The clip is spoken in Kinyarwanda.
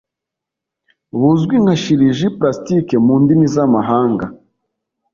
buzwi nka Chirurgie Plastique mu ndimi z'amahanga